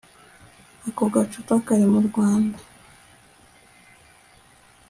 ako gacupa kari mu mwanda